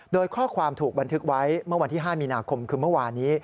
โดยข้อความถูกบันทึกไว้เมื่อวันที่๕มีนาคมคือเมื่อวานี้